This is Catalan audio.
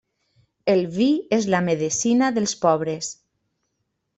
El vi és la medecina dels pobres.